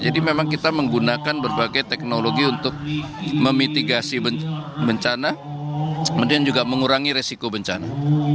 jadi memang kita menggunakan berbagai teknologi untuk memitigasi bencana kemudian juga mengurangi risiko bencana